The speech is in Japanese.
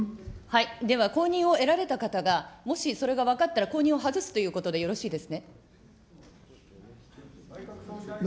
では公認を得られた方がもし、それが分かったら、公認を外すということでよろしいですね。